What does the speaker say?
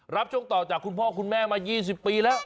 ช่วงต่อจากคุณพ่อคุณแม่มา๒๐ปีแล้ว